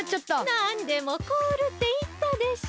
なんでもこおるっていったでしょ！